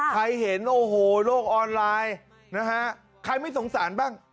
เห็นโอ้โหโลกออนไลน์นะฮะใครไม่สงสารบ้าง